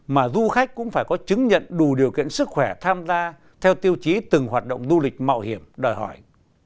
mà du khách cũng phải có chứng nhận đủ điều kiện sức khỏe tham gia theo tiêu chí từng hoạt động du lịch mạo hiểm đòi hỏi